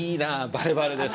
バレバレです。